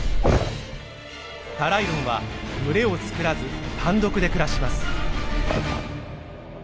タライロンは群れを作らず単独で暮らします。